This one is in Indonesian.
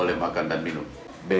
untuk mencari keadaan yang lebih baik